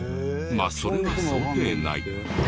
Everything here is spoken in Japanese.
まあそれは想定内。